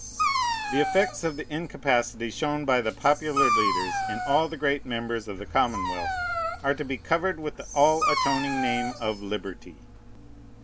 The effects of the incapacity shown by the popular leaders in all the great members of the commonwealth are to be covered with the "all atoning name" of Liberty.